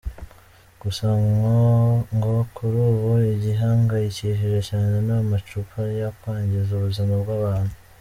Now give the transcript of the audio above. Gusa ngo kuri ubu igihangayikishije cyane ni amacupa yakwangiza ubuzima bw’abantu.